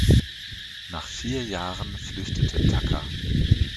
Nach vier Jahren flüchtete Tucker.